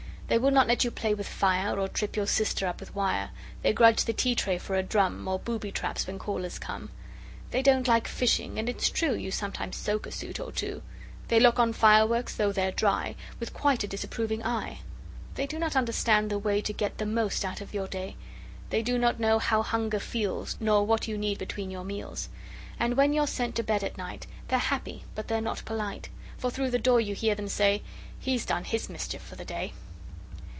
They will not let you play with fire Or trip your sister up with wire, They grudge the tea tray for a drum, Or booby traps when callers come. They don't like fishing, and it's true You sometimes soak a suit or two: They look on fireworks, though they're dry, With quite a disapproving eye. They do not understand the way To get the most out of your day: They do not know how hunger feels Nor what you need between your meals. And when you're sent to bed at night, They're happy, but they're not polite. For through the door you hear them say: 'He's done his mischief for the day!